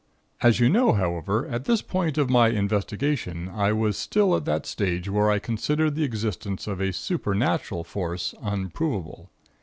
"As you know, however, at this point of my investigation, I was still at that stage where I considered the existence of a supernatural Force unproven.